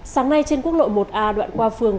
sáng nay trên quốc lộ một a đoạn qua phường